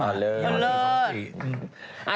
นำเลิศ